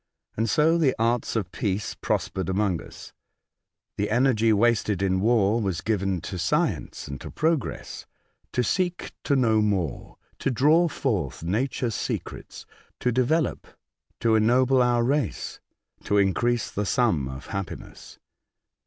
And so the arts of peace prospered among us. The energy wasted in war was given to science and to progress, to seek to know more, to draw forth nature's secrets, to develop, to ennoble our race, to increase the sum of happiness.